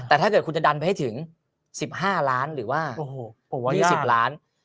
แต่ถ้าเกิดคุณจะดันไปให้ถึง๑๕ล้านหรือว่า๒๐ล้าน